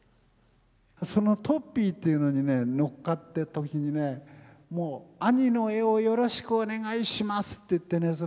そのトッピーっていうのにね乗っかった時にねもう「兄の絵をよろしくお願いします」って言ってね